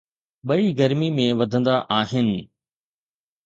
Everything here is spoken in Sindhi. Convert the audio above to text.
ٻئي گرمي ۾ وڌندا آهن